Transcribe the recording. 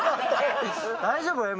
大丈夫？